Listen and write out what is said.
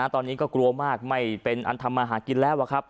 ตอนนี้ก็กลัวมากไม่เป็นอันทำมาหากินแล้ว